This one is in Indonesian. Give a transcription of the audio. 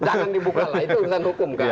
jangan dibuka lah itu usaha hukum kak